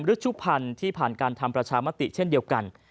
ฤชุพันธ์ที่ผ่านการทำประชามติเช่นเดียวกัน